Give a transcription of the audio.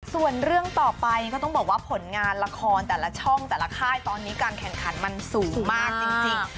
ส่วนเรื่องต่อไปก็ต้องบอกว่าผลงานละครแต่ละช่องแต่ละค่ายตอนนี้การแข่งขันมันสูงมากจริง